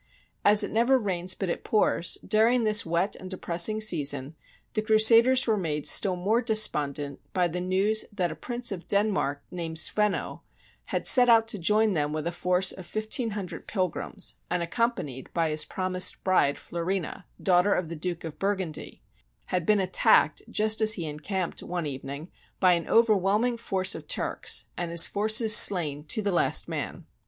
As it never rains but it pours, during this wet and depressing season the Crusaders were made still more despondent by the news that a prince of Denmark, named Sweno, who had set out to join them with a force of fifteen hundred pilgrims and accompanied by his promised bride, Fiorina, daugh ter of the Duke of Burgundy, had been attacked just as he encamped, one evening, by an overwhelm ing force of Turks, and his forces slain to the last man.